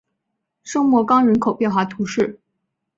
圣莫冈人口变化图示